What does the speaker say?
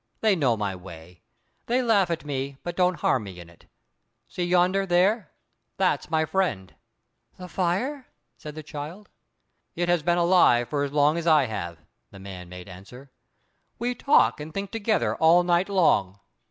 "They know my way. They laugh at me, but don't harm me in it. See yonder, there—that's my friend." "The fire?" said the child. "It has been alive for as long as I have," the man made answer. "We talk and think together all night long."